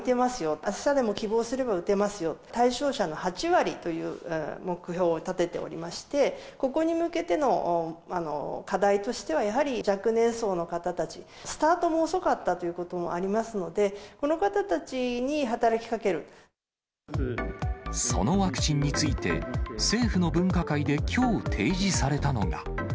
あしたでも希望すれば打てますよ、対象者の８割という目標を立てておりまして、ここに向けての課題としてはやはり、若年層の方たち、スタートも遅かったということもありますので、そのワクチンについて、政府の分科会できょう提示されたのが。